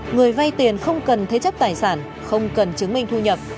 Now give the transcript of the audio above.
người vay tiền không cần thế chấp tài sản không cần chứng minh thu nhập